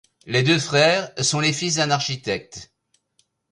Les deux frères sont les fils d'un architecte.